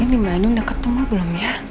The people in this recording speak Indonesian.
ini mbak andin udah ketemu belum ya